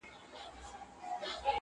د څپو د زور یې نه ول مړوندونه-